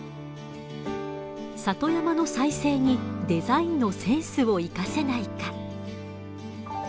里山の再生にデザインのセンスを生かせないか。